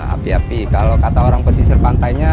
api api kalau kata orang pesisir pantainya